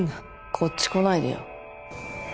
こっち来ないでよ